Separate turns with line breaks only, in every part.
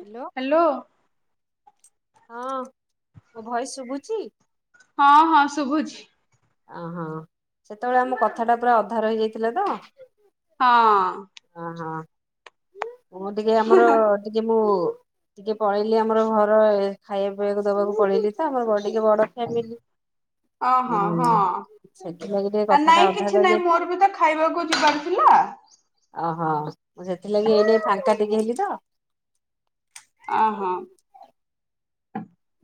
Hello ହଁ ମୋ voice ଶୁଭୁଛି?
ହଁ ହଁ ଶୁଭୁଛି।
ଓହୋ ସେତେବେଳେ ଆମ କଥା ଟା ପୁରା ଅଧା ରହି ହେଇଯାଇଥିଲେ ତ
ହଁ।
ଅହୋ ମୁଁ ଟିକେ ଆମର ଟିକେ ମୁଁ ଟିକେ ପଳେଇଲି ଆମର ଘର ଖାଇବା ପିଇବାକୁ ଦବାକୁ ପଳେଇଲି। ଆମର ଟିକେ ବଡ଼ ଫ୍ୟାମିଲି।
ଓହଁ ହଁ
ହୁଁ ସେଥିଲାଗି ଟିକେ
ଆ
କଥାଟା
ନାଇଁ
ଅଧା
କିଛି ନାଇଁ
ରହିଯାଇଥିଲା
ମୋର ବି ତ ଖାଇବାକୁ ଯିବାରଥିଲା।
ଓହୋ ମୁଁ ସେଥିଲାଗି ଏଇନେ ଫାଙ୍କା ଟିକେ ହେଲି ତ
ଅହ।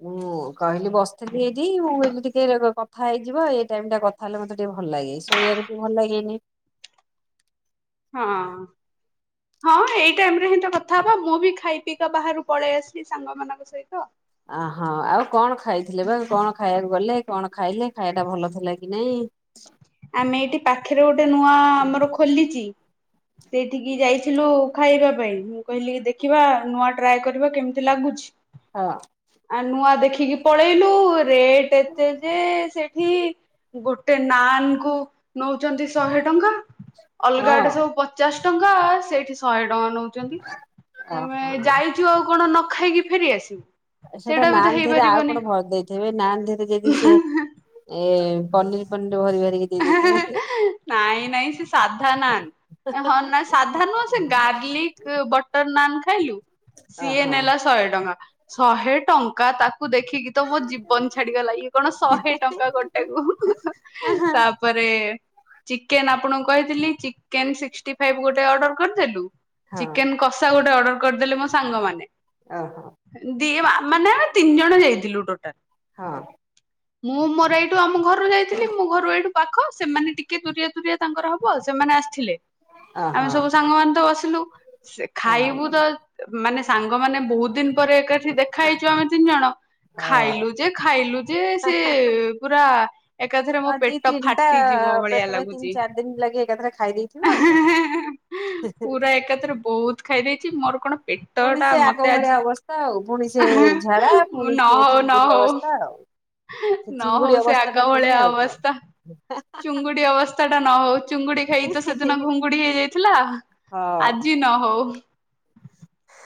ହୁଁ। ମୁଁ କହିଲି ବସିଥିଲି ଏଇଠି ମୁଁ କି ଟିକେ କଥା ହେଇଯିବା ଏଇ ଟାଇମ ଟା କଥା ହେଲେ ମତେ ଟିକେ ଭଲ ଲାଗେ ଶୋଇଆକୁ ଭଲ ଲାଗେନି।
ହଁ।
[unintelligible]
ହଁ ଏଇ ଟାଇମ ରେ ହି ତ କଥା ହବା ମୁଁ ବି ଖାଇ ପିକା ବାହାରୁ ପଳେଇ ଆସିଲି ସାଙ୍ଗମାନଙ୍କ ସହିତ।
ଅହୋ ଆଉ କଣ ଖାଇଥିଲେ ବା କଣ ଖାଇବାକୁ ଗଲେ କଣ ଖାଇଲେ ଖାଇବା ଟା ଭଲ ଥିଲା କି ନାଇଁ?
ଆମେ ଏଇଠି ପାଖରେ ଗୋଟେ ନୂଆ ଆମର ଖୋଲିଚି ସେଇଠିକି ଯାଇଥିଲୁ ଖାଇବା ପାଇଁ ମୁଁ କହିଲି ଦେଖିବା ନୂଆ ଟ୍ରାଏ କରିବା କେମିତି ଲାଗୁ [unintelligible]
ହଁ।
ଆ ନୂଆ ଦେଖିକି ପଳେଇଲୁ ରେଟ ଏତେ ଯେ ସେଠି ଗୋ ଗୋେ ନାନ୍ କୁ ନଉଛନ୍ତି ଶହେ ଟଙ୍କା ଅଲଗା
ହଁ
ଗଟେ ସବୁ ପଚାଶ ଟଙ୍କା ସେଇଠି ଶହେ ଟଙ୍କା ନଉଛନ୍ତି ଆମେ
ଓହୋ
ଯାଇ ଇଚୁ ଆଉ କଣ ନ ଖାଇକି ଫେରି ଆସିବୁ।
ସେଟା
ସେଇଟା ବି ତ
ନାନ୍ ଦେହରେ ଆଉ
ହେଇପାରିବନି।
କଣ ଭରି ଦେଇଥିବେ ନାନ୍ ଧରେ ଯଦି ସେ ଏ ପନିର ପନିର ଭରି ଭାରିକି ଦେଇ
ହେଁ
ଦେଇଥିବେ
ହେଁ
ଯେ
ହେଁ ନାଇଁ ନାଇଁ ସେ ସାଧା ନାନ୍ ହନ୍ ନା। ସାଧା ନୁହଁ ସେ ଗାର୍ଲିକ ବ ବଟର ନାନ୍ ଖାଇଲୁ ସିଏ
ଓହୋ।
ନେଲା ଶହେ ଟଙ୍କା ଶହେ ଟଙ୍କା ତାକୁ ଦେଖି କି ତ ମୋ ଜୀବନ ଛାଡିବା ଗଲା ଇଏ କଣ ଶହେ ଟଙ୍କା ଗୋଟାକୁ। ତାପରେ ଚିକେନ ଆପଣଙ୍କୁ କହିଥିଲି ଚିକେନିକ ସିକସ୍ଟି ଫାଇଭ୍ ଗୋଟେ ଅର୍ଡର କରିଦେଲୁ।
ହଁ
ଚିକେନ କଷା ଗୋଟେ ଅର୍ଡର କରିଦେଲେ ମୋ ସାଙ୍ଗମାନେ।
ଓହୋ
ଦି ମାନେ ଆମେ ତିନି ଜଣ ଯାଇଥିଲୁ ଟୋଟାଲ।
ହଁ।
ମୁଁ ମୋର ଏଇଠୁ ଆମ ଘରୁ ଯାଇଥିଲି ମୁଁ ଘରୁ ଏଇଠୁ ପାଖ ସେମାନେ ଟିକେ ଦୁରିଆ ଦୁରିଆ ତାଙ୍କର ହବ ସେମାନେ ଆସିଥିଲେ।
ଓହୋ
ଆମେ ସବୁ ସାଙ୍ଗମାନେ ତ ବସିଲୁ
ହଁ
ଖାଇବୁ ତ ମାନେ ସାଙ୍ଗମାନେ ବହୁତ ଦିନ ପରେ ଏକାଠି ଦେଖା ହେଇଛୁ ଆମେ ତିନି ଜଣ ଖାଇଲୁ
ହଁ।
ଯେ ଖାଇଲୁ ଯେ ସେ ପୁରା ଏକାଥରେ ମୋ
ଆଉ ଦି
ପେଟ
ତିନିଟା
ଫାଟିଯିବ
ପେଟ
ଭଳିଆ
ପାଇଁ ତିନି
ଲାଗୁଛି।
ଚାରି ଦିନ ଲାଗି ଏକାଥରେ ଖାଇ ଦେଇଥିବ ଆଉ
ହେଁ
କଣ।
ହେଁ ହେଁ ପୁରା ଏକାଥରେ ବହୁତ ଖାଇ ଦେଇଛି ମୋର କଣ ପେଟ
ପୁଣି ସେ
[inaudible]
ଆଗ
ମତେ
ଭଳିଆ
ଆଜିଇଁହିଁ
ଅବସ୍ଥା ଆଉ ପୁଣି ସେ ଝାଡା
ଇଁ
ପୁଣି
ନ
ସେ
ହଉ ନ
ଚିଙ୍ଗୁଡି
ହଉ।
ଅବସ୍ଥା ଆଉ। ସେ
ନ
ଚିଙ୍ଗୁଡି
ହଉ ସେ
ଅବସ୍ଥା ଟା
ଆଗ
ପୁଣି
ଭଳିଆ
ଆଉ କଣ।
ଅବସ୍ଥା। ଚୁଙ୍ଗୁଡି ଅବସ୍ଥା ଟା ନ ହଉ ଚୁଙ୍ଗୁଡି ଖାଇ ତ ସେଦିନ
ହଁ
ଘୁଙ୍ଗୁଡି ହେଇଯାଇଥିଲା। ଆଜି ନ ହଉ।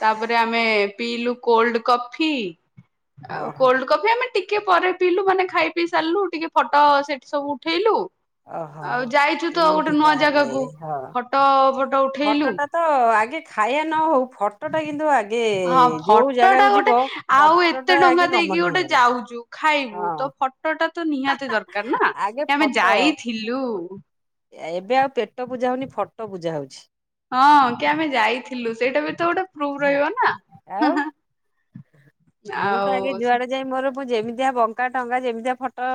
ତାପରେ ଆମେ ପିଇଲୁ କୋଲଡ କଫି। ଆଉ
ଓହୋ
କୋଲଡ କଫି ଆମେ ଟିକେ ପରେ ପିଇଲୁ ମାନେ ଖାଇ ପିଇ ସାରିଲୁ ଟିକେ ଫଟୋ ସେଠି ସବୁ ଉଠେଇଲୁ।
ଓହୋ
ଆଉ ଯାଇଛୁ ଗୋଟେ
ଏମିତି
ନୂଆ
ତାହେଲେ
ଜାଗାକୁ
ହଁ।
ତ ଫଟୋ ଫଟୋ ଉଠେଇଲୁ।
ଫଟୋଟା ତ ଆଗେ ଖାଇବା ନ ହଉ ଫଟୋଟା କିନ୍ତୁ ଆଗ
ହଁ ଫଟୋ ଟା ଗୋଟେ ଆଉ
ଫଟୋଟା
ଏତେ
ଆଗେ
ଟଙ୍କା
କମନ
ଦେଇକି ଗୋଟେ
ହେଇଗଲାଣି
ଯାଉଛୁ ଖାଇବୁ ତୋ
ହଁ
ଫ ଫଟୋଟା ତ ନିହାତି ଦରକାର ନା
ଆଗେ
ଆମେ
ଫଟୋ
ଯାଇଥିଲୁ।
ଏବେ ଆଉ ପେଟ ପୂଜା ହଉନି ଫଟ ପୂଜା ହଉଛି।
ହଁ କି ଆମେ ଯାଇଥିଲୁ ସେଇଟା ବି ତ ଗୋଟେ ପ୍ରୁଭ ରହିବ ନା।
ଆଉ ମୁଁ ତ ଆଗେ
ଆଉ
ଯୁଆଡେ ଯାଇ ମୋର ଯେମିତିଆ ବଙ୍କା ଟଙ୍କା ଯେମିତିଆ ଫଟ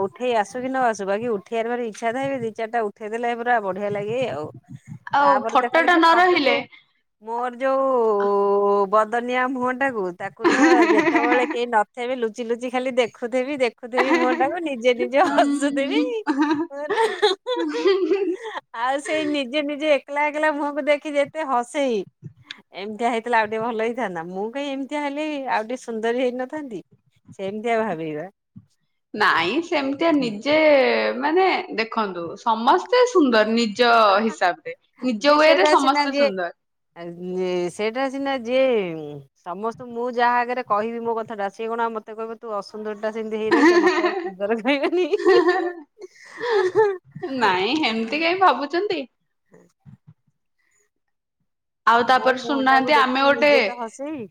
ଉ ଉଠେଇ ଆସୁ କି ନ ଆସୁ ବାକି ଉଠେବାର ଭାରି ଇଛା ଥାଏ ବେଲି ଦି ଚାରଟା ଉଠେଇ ଦେଲେ ହେବ। ବଢିଆ ଲାଗେ ଆଉ
ଆଉ
ତାପରେ ତ
ଫଟୋ
ଖାଲି ସେ ଫଟୋକୁ ମୋର ଯୋଉ
ଅ।
ବଦନିଆ ମୁହଁ ଟାକୁ ତାକୁ ତ ଯେତେବେଳେ କେହି ନଥେବେ ଲୁ ଲୁଚି ଲୁଚି ଖାଲି ଦେଖୁଥିବି ଦେଖୁଥିବି ମୁହଁ ଟାକୁ ନିଜେ ନିଜେ ହସୁଥିବି। ହ। [unintelligible] ଆଉ ସେଇ ନିଜେ ନିଜେ ଏକଲା ଏକଲା ମୁହଁକୁ ଦେଖି ଯେତେ ହସେଇ। ଏମିତିଆ ହେଇଥିଲେ ଆଉ ଟିକେ ଭଲ ହେଇଥାନ୍ତା ମୁଁ କାହିଁ ଏମ ଇନ୍ତିଆ ହେଲି ଆଉ ଟିକେ ସୁନ୍ଦରୀ ହେଇନଥାନ୍ତି ସେମିତିଆ ଭାବିବି ବା।
ନାଇଁ ସେମିତିଆ ନିଜେ ମାନେ ଦେଖନ୍ତୁ ସମସ୍ତେ ସୁନ୍ଦର ନି ନିଜ ହିସାବ ରେ ନିଜ ୱେ ରେ ସମସ୍ତେ ସୁନ୍ଦର।
ଆ ସେଇଟା ସିନା ଯିଏ ସମସ୍ତେ ମୁଁ ଯାହା ଆଗରେ କହିବି ମୋ କଥାଟା ସେଏ କଣ ଆଉ ମତେ କହିବ ତୁ ଅସୁନ୍ଦରିଟା ସେମିତି ହେଇ ରହିଥା ମତେ ଆଉ ସୁନ୍ଦର କହିବନି। ହିଁ ହିଁ ଇଁ
ନାଇଁ ହେମିତ କା ଭାବୁଛନ୍ତି?
ହୁଁ।
ଆଉ ତାପରେ
ମୁହଁ ଟାକୁ
ଶୁଣୁନାହାନ୍ତି
ଦେଖି
ଆମେ
ମୁଁ
ଗୋଟେ
ନିଜେ ତ ହସେଇବି।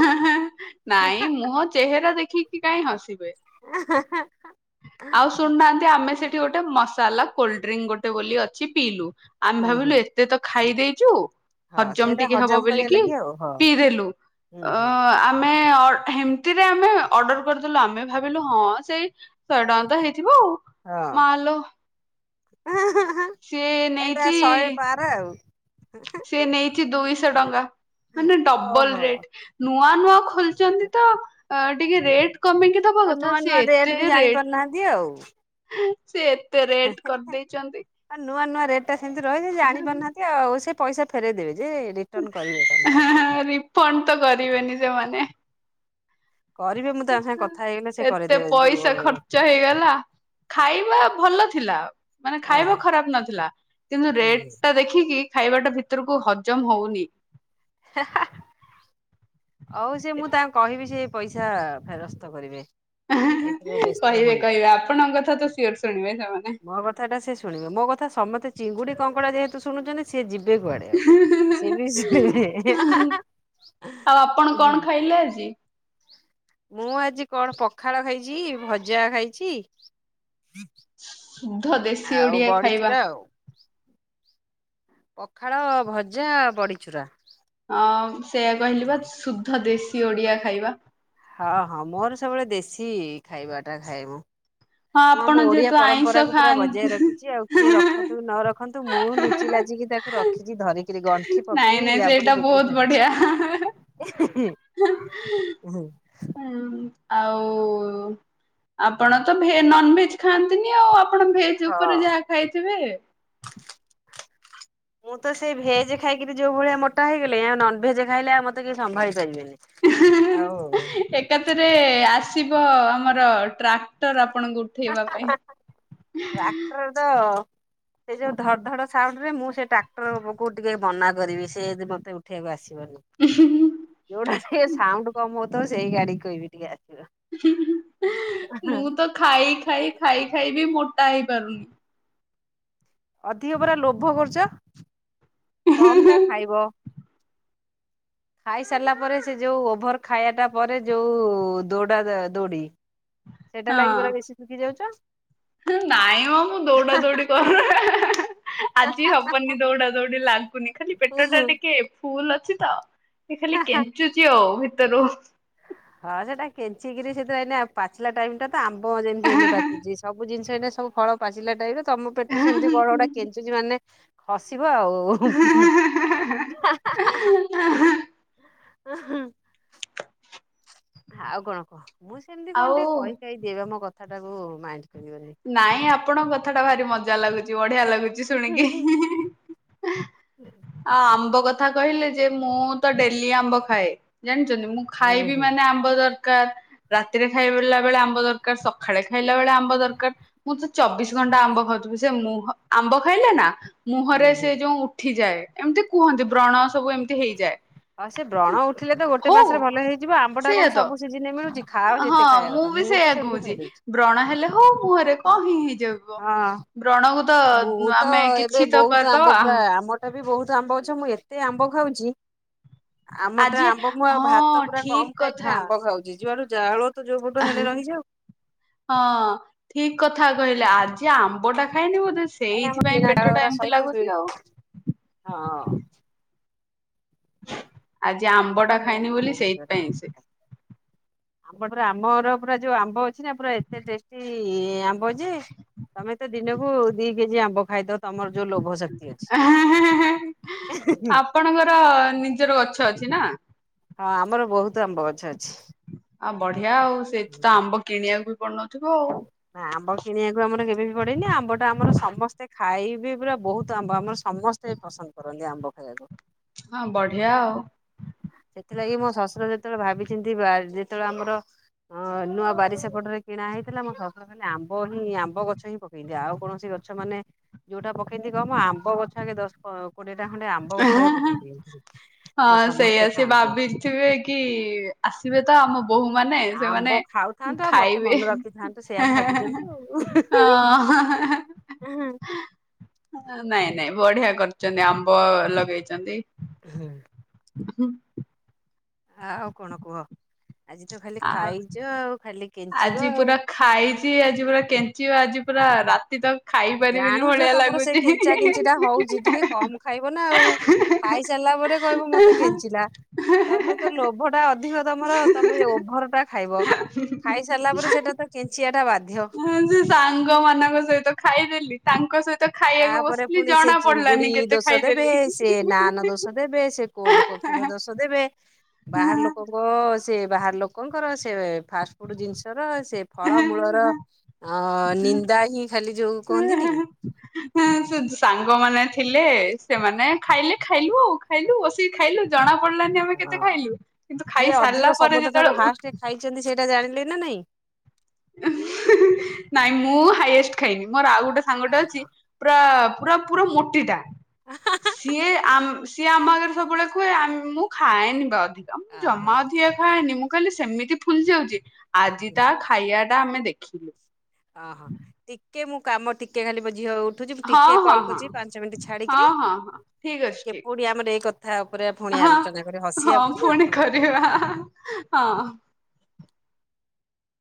ହେଁ ହେଁ ନାଇଁ ମୁହଁ ଚେହେରା ଦେଖିକି କାଇଁ ହସିବେ।
[unintelligible]
ଆଉ ଶୁଣୁନାହାଁନ୍ତି ଆମେ ସେଠି ଗୋଟେ ମସାଲା କୋଲଡ୍ରିଙ୍କ ଗୋଟେ ବୋଲି ଅଛି ପିଇଲୁ। ଆମେ
ହୁଁ ହୁଁ
ଭାବିଲୁ ଏତେ ତ ଖାଇ ଦେଇଚୁ
ହଁ
ହଜମ
ସେଇଟା
ଟିକେ ହବ
କରିବା
ବୋଲିକି
ଲାଗି ଆଉ ହଁ।
ପିଇଦଲୁ
ହୁଁ
ଅ
ହୁଁ
ଆମେ ଅ ହେମିତିରେ ଆମେ ଅର୍ଡର କରିଦେଲୁ ଆମେ ଭାବିଲୁ ହଁ ସେଇ ଶହେ ଟଙ୍କା ତ ହେଇଥିବ ଆଉ।
ହଁ
ମାଲୋ
ଏଁ ହେଁ ହେଁ
ସିଏ
ଏଇଟା
ନେଇଛି
ଶହେ ପା ର ଆଉ। ହେଁ ହେଁ।
ସେ ନେଇଛି ଦୁଇଶହ ଟଙ୍କା ମାନେ ଡବଲ
ଓହୋ।
ରେଟ। ନୂଆ ନୂଆ ଖୋଲିଛନ୍ତି ତ ଟିକେ ରେଟ୍ କମେଇକି ଦବା କଥା ସେଏଁ ଏତେ ରେଟ୍
ନାହାନ୍ତି ଆଉ।
ସେ ଏତେ ରେଟ୍ କରିଦେଇଚନ୍ତି।
ଆଉ ନୂଆ ନୂଆ ରେଟ୍ ଟା ସେମିତି ରହିଛି ଜାଣିପାରୁନାହାନ୍ତି ଆଉ ସେ ପଇସା ଫେରଇ ଦେବେ ଯେ ରିଟର୍ନ କରିବେ। [inaudible]
ହଁ ହଁ ରିଫଣ୍ଡ ତ କରିବେନି ସେମାନେ।
କରିବେ ମୁଁ ତାଙ୍କ ସାଙ୍ଗେ କଥା ହେଇଗଲେ ସେ
ଏତେ
କରିଦେବେ ଯୋଉ
ପଇସା ଖର୍ଚ୍ଚ ହେଇଗଲା। ଖାଇବା ଭଲ ଥିଲା ମାନେ ଖାଇବା
ଓହୋ
ଖରାପ ନଥିଲା। କିନ୍ତୁ
ହୁଁ
ରେଟ୍
ହୁଁ।
ଟା ଦେଖିକି ଖାଇବା ଟା ଭିତରକୁ ହଜମ ହୋଉନି।
ଅଉ ସେ ମୁଁ ତାଙ୍କ କହିବି ସେ ପଇସା ଫେରସ୍ତ କରିବେ। ଏଥିରେ ବ୍ୟସ୍ତ
କହିବେ
ହୁଅନି।
କହିବେ ଆପଣଙ୍କ କଥା ତ ସିଓର ଶୁଣିବେ ସେମାନେ।
କଥାଟା ସେ ଶୁଣିବ ମୋ କଥା ସମସ୍ତେ ଚିଙ୍ଗୁଡି କଙ୍କଡ଼ା ଯେହେତୁ ଶୁଣୁଚନ୍ତି। ସିଏ ଯିବେ କୁଆଡେ ଆଉ ସିଏ ବି ଶୁଣିବେ।
ଆଉ ଆପଣ କଣ ଖାଇଲେ ଆଜି?
ମୁଁ ଆଜି କଣ ପଖାଳ ଖାଇଛି ଭଜା ଖାଇଛି।
ଶୁଦ୍ଧ ଦେଶୀ
ଆଉ
ଓଡିଆ ଖାଇବା।
ବଡିଚୁରା ଆଉ। ପଖାଳ, ଭଜା, ବଡ଼ିଚୁରା।
ହଁ ସେୟା କହିଲି ପା ଶୁଦ୍ଧ ଦେଶୀ ଓଡିଆ ଖାଇବା।
ହଁ, ହଁ ମୋର ସବୁବେଳେ ଦେଶୀ ଖାଇବା ଟା ଖାଇବୁ।
ହଁ
ମୁଁ
ଆପଣ
ଆମ ଓଡିଆ
ଯେହେତୁ ଆଇଁଷ
ପରମ୍ପରାକୁୁ ପୁରା ବଜାୟ ରଖିଛି ଆଉ। କିଏ
ଖାଆନ୍ତି
ରଖନ୍ତୁ ନ ରଖନ୍ତୁ ମୁଁ ଲୁଚି ଲାଚିକି ତାକୁ ରଖିଛି ଧରିକିରି ଗଣ୍ ଠି
ନାଇଁ
ପକେଇ
ନାଇଁ ସେଇଟା
ଜାବୁଡି ଜୁବୁଡି
ବହୁତ ବଢିଆ
ଧରିଛି। ଉଁ, ହୁଁ।
[unintelligible] ଆଉ ଆପଣ ତ ଭେ- ନନ ଭେଜ ଖାଆନ୍ତିନି ଆଉ ଆପଣ ଭେ ଜ ଉପରେ ଯାହା ଖାଇଥିବେ।
ମୁଁ ତ ସେଇ ଭେଜ ଖାଇକିରି ଯୋଉ ଭଳିଆ ମୋଟା ହେଇଗଲିଣି ଆଉ ନନଭେଜ ଖାଇଲେ ଆଉ ମୋତେ କେହି ସମ୍ଭାଳି ପାରିବେନି। ଆଉ
ଏକାଥରେ ଆସିବ ଆମର ଟ୍ରାକ୍ଟର୍ ଆପଣଙ୍କୁ
ହଁ
ଉଠେଇବା ପାଇଁ।
ଟ୍ରାକ୍ଟର୍ [inaudible] ଟ୍ରାକ୍ଟର୍ କୁ ଟିକେ ମନା କରିବି ସେ [unintelligible] ମୋତେ ଉଠେଇବାକୁ ଆସିବନି।
ଉଁ ହୁଁ ହୁଁ।
ଯୋଉଟା ସେ ସାଉଣ୍ଡ କମ ହୋଉଥବ ସେଇ ଗାଡି କହିବି ଟିକେ ଆସିବ।
ମୁଁ ତ ଖାଇ ଖାଇ ଖାଇ ଖାଇ ବି ମୋଟା ହେଇପାରୁନି।
ଅଧିକ ପରା ଲୋଭ କରୁଚ, କମ ଟା ଖାଇବ। ଖାଇସାରିଲା ପରେ ସେ ଯୋଉ ଓଭର୍ ଖାଇବା ଟା ପରେ ଯୋଉ ଦୋଡା ଯା ଦୋଡି। ସେଇଟା ଲାଗି ପରା
ହଁ
ବେଶୀ ଶୁଖି ଯାଉଛ।
ନାଇଁ ମୋ ମୁଁ ଦୌଡା ଦୌଡି କର [inaudible] ଆଜି ହବନି ଦୌଡା ଦୌଡି ଲାଗୁନି ଖାଲି
ଉଁ
ପେଟ ଟା
ହୁଁ।
ଟିକେ ଫୁଲ୍ ଅଛି ତ ଏ ଖାଲି କେଞ୍ଚୁଚି ଆଉ ଭିତରୁ।
ହଁ ସେଟା କେଞ୍ଚିକିରି ସେ ତ ଏଇନା ଆଉ ପାଚିଲା ଟାଇମ୍ ଟା। ତ ଆମ୍ବ ଯେମିତି ଏଇନେ ଯେମିତି ପାଚୁଚି। ସବୁ ଜିନିଷ ଏଇନେ ସବୁ ଫଳ ପାଚିଲା ଟାଇମ୍ ରେ ତୋମ ପେଟରୁ ସେମିତି କଣ ଗୋଟା କେଞ୍ଚୁଚି ମାନେ ଖସିବ ଆଉ। ଓ ହୁଁ, ହୁଁ। ଆଉ କଣ କହ? ମୁଁ ସେମିତି କଣ
ଆଉ
ଟିକେ କହିକାଇ ଦିଏ ମୋ କଥା ଟାକୁ ମାଇଣ୍ଡ କରିବନି।
ନାଇଁ ଆପଣଙ୍କ କଥା ଟା ଭାରି ମଜା ଲାଗୁଛି ବଢିଆ ଲାଗୁଛି ଶୁଣିକି।
ହୁଁ
ଆ, ଆମ୍ବ କଥା କହିଲେ ଯେ ମୁଁ ତ ଡେଲି ଆମ୍ବ ଖାଏ ଜାଣିଚନ୍ତି ମୁଁ
ହୁଁ
ଖାଇବି ମାନେ
ହୁଁ
ଆମ୍ବ ଦରକାର। ରାତିରେ ଖାଇ ପିଲା ବେଳେ ଆମ୍ବ ଦରକାର। ସଖାଳେ ଖାଇଲା ବେଳେ ଆମ୍ବ ଦରକାର। ମୁଁ ତ ଚବିଶ ଘଣ୍ଟା ଆମ୍ବ ଖାଉଥିବି ସେ ମୁହ ଆମ୍ବ ଖାଇଲେ ନା ମୁହଁରେ
ହୁଁ
ସେ ଯୋଉ ଉଠିଯାଏ ଏମିତି କୁହନ୍ତି ବ୍ରଣ ସବୁ ଏମିତି ହେଇଯାଏ।
ହଁ ସେ ବ୍ରଣ ଉଠିଲେ ତ ଗୋଟେ
ହଉ
ମାସରେ ଭଲ ହେଇଯିବ ଆମ୍ବ ଟା
ସେଇଆ
କଣ
ତ।
ସବୁ ସିଜିିନ୍ ରେ ମିଳୁଚି, ଖାଅ
ହଁ
ଯେତେ ଖାଇଆ କଥା।
ମୁଁ ବି
ତ
ସେଇଆ
ସେମିତି
କହୁଚି
ଖାଇଦଉଛି
ବ୍ରଣ ହେଲେ ହଉ ମୁହଁରେ କଣ ହିଁ ହେଇଯିବ,
ହଁ
ବ୍ରଣ କ ତ
ମୁଁ
ଆମେ କିଛି ତ କରିଦବା।
ଏଟା ବି ବହୁତ୍ ଆମ୍ବ ଗଛ ମୁଁ ଏତେ ଆମ୍ବ ଖାଉଚି ଆମ ଟେ
ଆଜି
ଆମ୍ବ ମୁଁ ଆଉ
ହଁ
ଭାତ ପୁରା କମ୍
ଠିକ
ଖାଇକିରି
କଥା
ଆମ୍ବ ଖାଉଚି। ଯୁଆଡୁ ଜାଉଣୁ ତ ଯୋଉ ପଟୁଆ ହେଲେ ରହିଯାଉ।
ହଁ ଠିକ୍ କଥା କହିଲେ ଆଜି ଆମ୍ବ୍ ମ୍ବଟା ଖାଇନି ବୋଧେ
ଆରେ ଆମ
ସେଇଥିପାଇଁ
କିଣା ଡାଳ
ପେଟଟା
ଗୁରା
ଏମିତି
ସହିକି
ଲାଗୁଚି ଆଉ।
ହଁ।
ଆଜି ଆମ୍ବ ଟା ଖାଇନି ବୋଲି ସେଇଥିପାଇଁ ସେ
ଆମ୍ବ ପୁରା ଆମର ପୁରା ଯୋଉ ଆମ୍ବ ଅଛି ନା ପୁରା ଏତେ ଟେଷ୍ଟି କି ଆମ୍ବ ଯେ ତମେ ତ ଦିନକୁ ଦି କେଜି ଆମ୍ବ ଖାଇଦ ତମର ଯୋଉ ଲୋଭ ଶ
ଆ ହାଁ ହାଁ ହାଁ, ଆପଣଙ୍କର ନିଜର ଗଛ ଅଛି ନା?
ହଁ ଆମର ବହୁତୁ ଆମ୍ବଗଛ ଅଛି।
ଆ ବଢିଆ ଆଉ ସେଠି ତ ଆମ୍ବ କିଣିବାକୁ ବି ପଡୁନଥିବ ଆଉ।
ନା ଆମ୍ବ କିଣିଆକୁ ଆମର କେବେ ବି ପଡେନି ଆମ୍ବ ଟା ଆମର ସମସ୍ତେ ଖାଇବେ ପୁରା ବହୁତ ଆମ୍ବ ଆମର ସମସ୍ତ୍ ତେ ପସନ୍ଦ କରନ୍ତି ଆମ୍ବ ଖାଇବାକୁ।
ହଁ ବଢିଆ ଆଉ।
ସେଥିଲାଗି ମୋ ଶଶୁର ଯେତେବେଳେ ଭାବିଚିନ୍ତି ବାର୍ ଯେତେଳେ ଆମର ହଁ ନୂଆ ବାରି ସେପଟରେ କିଣା ହେଇଥିଲା ମୋ ଶଶୁର ଲେ ଆମ୍ବ ହିଁ ଆମ୍ବ ଗଛ ହିଁ ପକେଇଦିଏ ଆଉ କୌଣସି ଗଛ ମାନେ ଯୋଉଟା ପକେଇିଚି କହମ ଆମ୍ବ ଗଛରେ ଦଶ୍ ପ କୋଡିଏଟା ଖଣ୍ଡେ ଆମ୍ବ ଗଛା ପକେଇ ଦେଇିଚି, ଯେ
ହଁ
ସମସ୍ତେ
ସେଇଆ ସେ
ଖାଆନ୍ତୁ।
ଭାବି ଥିବେ କି ଆସିବେ ତ ଆମ ବୋହୂମାନେ ସେମାନେ
ଆମ୍ବ
ଉଁ
ଖାଉଥାନ୍ତୁ ଆଉ ମତେ
ଖାଇବେ
ମନେ ରଖିଥାନ୍ତୁ ସେଇଆ
ଅଁ
ଭାବିଛନ୍ତି ଆଉ।
ହେଁ ହେଁ ହେଁ। ହଁ ନାଇଁ ନାଇଁ ବଢିଆ କରିଚନ୍ତି ଆମ୍ବ ଲଗେଇଚନ୍ତି
ହୁଁ।
ହୁଁ।
ଆଉ କଣ କୁହ, ଆଜି ତ ଖାଲି
ଆଉ
ଖାଇଚ ଆଉ ଖାଲି କେଞ୍ଚିବ
ଆଜି
ଆଉ।
ପୁରା ଖାଇଚି ଆଜି ପୁରା କେଞ୍ଚିବ ଆଜି ପୁରା ରାତି ତ ଖାଇ ପାରିବିନି
ଜାଣୁଚ
ଭଳିଆ
ତମର ସେଇ
ଲାଗୁଛି।
କେଞ୍ଚା କିଞ୍ଚି ଟା ହଉଚି ଟିକେ କମ ଖାଇବ ନା ଆଉ। ଖାଇସ୍ ରିଲା ପରେ କହିବ ମତେ କେଞ୍ଚିଲା। ତମେ ତ ଲୋଭ ଟା ଅଧିକ ତମର ତମେ ଓଭର ଟା ଖାଇବ। ଖାଇସାରିଲା ପରେ ସେଇଟା ତ କେଞ୍ଚିିଆଟା ବାଧ୍ୟ।
ହଁ ଯେ ସାଙ୍ଗ ମାନଙ୍କ ସହିତ ଖାଇଦେଲି। ତାଙ୍କ ସହିତ ଖାଇଆକୁ
ତାପରେ
ବସିଲି
ପୁଣି ସେ
ଜଣା
ଚିଙ୍ଗୁଡି
ପଡିଲାନି କେତେ
ଦୋଷ
ଖାଇଦେଲି। ହିଁ ହିଁ ହିଁ ହିଁ।
କୋଲଡ୍ କଫିର ଦୋଷ୍ ଶ୍ ଦେବେ, ବାହାର ଲୋକଙ୍କ ସେ ବାହାର ଲୋକଙ୍କର ସେ ଫାଷ୍ ଫୁଡ୍ ଜିନିଷର ସେ ଫଳମୂଳର ଅ ନିନ୍ଦା ହିଁ ଖାଲି ଯୋଉ କୁହନ୍ତିନି କି।
ଏଁ ସେ ସାଙ୍ଗମାନେ ଥିଲେ ସେମାନେ ଖାଇଲେ ଖାଇଲୁ ଆଉ ଖାଇଲୁ ବସି କି ଖାଇଲୁ ଜଣା ପଡିଲାନି ଆମେ କେତେ
ହଁ।
ଖାଇଲୁ କିନ୍ତୁ ଖାଇ ସାରିଲା ପରେ ଯେତେଳେ ଉଠ୍
ଖାଇଚନ୍ତି ସେଇଟା ଜାଣିଲେ ନା ନାଇଁ?
ନାଇଁ ମୁଁ ହାଇଷ୍ଟ ଖାଇନି ମୋର ଆଉ ଗୋଟେ ସାଙ୍ଗଟେ
ଅହ
ଅଛି। ପୁରା ପୁରା ପୁରା ମୋଟିଟା। ସିଏ ଆମ୍ ସିଏ ଆମ ଆଗରେ ସବୁବେଳେ କୁହେ ମୁଁ ଖାଏନି ବା ଅଧିକା। ମୁଁ
ଅହ
ଜମା ଅଧିଆ ଖାଏନି ମୁଁ କହି ସେମିତି ଫୁଲି ଯାଉଚି ଆଜି
ଉଁ,
ତା ଖା ଖାଇଆ ଟା ଆମେ ଦେଖିଲୁ।
ଅ ହଁ ଟିକେ ମୁଁ କାମ ଟିକେ ଖାଲି ମୋ ଝିଅ ଉଠ୍ ଉଠୁଚି ମୁଁ
ହଁ
ଟିକେ
ହଁ
କଲ୍
ହଁ
କରୁଚି ପାଞ୍ଚ ମିନିଟ୍ ଛାଡିକିରି
ହଁ ହଁ ହଁ ଠିକ ଅଛି
ଟିକେ
ଠିକ
ପୁଣି
ଅଛି
ଆମର ଏ କଥ--୍ କଥା ଉପରେ ପୁଣି
ହଁ
ଆଲୋଚନା କରିଆ ହସିଆ
ହଁ
ପୁଣି ଆଉ କଣ?
କରିବା ହଁ।